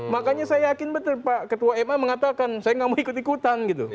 makanya saya yakin betul pak ketua ma mengatakan saya nggak mau ikut ikutan gitu